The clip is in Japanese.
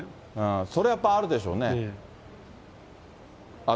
それはやっぱりあるでしょうね。